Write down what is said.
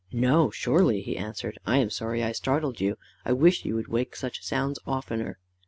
"No, surely," he answered. "I am sorry I startled you. I wish you would wake such sounds oftener."